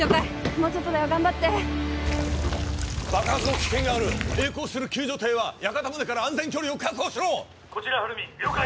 もうちょっとだよ頑張って爆発の危険がある曳航する救助艇は屋形船から安全距離を確保しろこちらはるみ了解